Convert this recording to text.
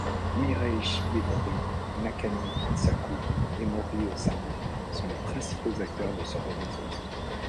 Mirei Shigemori, Nakane Kinsaku et Mori Osamu sont les principaux acteurs de ce renouveau.